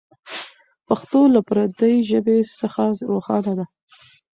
پښتو له پردۍ ژبې څخه روښانه ده.